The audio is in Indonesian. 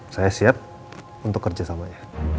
saya siap untuk kerjasamanya